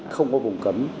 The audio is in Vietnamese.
không có vùng cấm